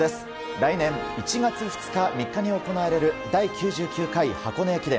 来年１月２日、３日に行われる第９９回箱根駅伝。